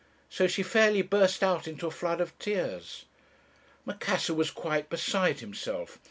So she fairly burst out into a flood of tears. "Macassar was quite beside himself.